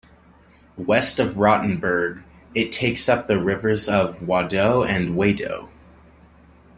West of Rotenburg, it takes up the rivers Rodau and Wiedau.